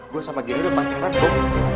gue sama gina udah pacaran bob